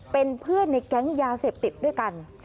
เป็นเพื่อนในแก๊งยาเสพติดด้วยกัน